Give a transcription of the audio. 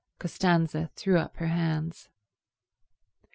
Costanza threw up her hands.